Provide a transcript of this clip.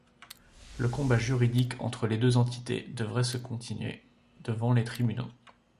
Le combat juridique entre les deux entités devrait se continuer devant les tribunaux.